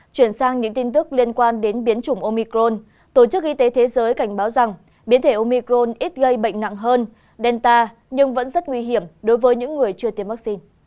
chuyển sang những tin tức liên quan đến biến chủng omicron tổ chức y tế thế giới cảnh báo rằng biến thể omicron ít gây bệnh nặng hơn đen ta nhưng vẫn rất nguy hiểm đối với những người chưa tiêm vaccine